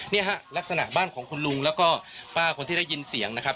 เนี่ยฮะลักษณะบ้านของคุณลุงแล้วก็ป้าคนที่ได้ยินเสียงนะครับ